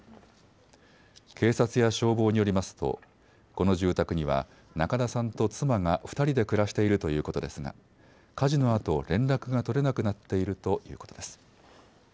警察や消防によりますとこの住宅には中田さんと妻が２人で暮らしているということですが火事のあと連絡が取れなくなっているということです。